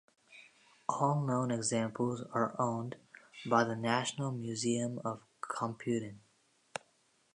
All known examples are owned by The National Museum of Computing.